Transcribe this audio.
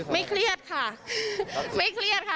เครียดค่ะไม่เครียดค่ะ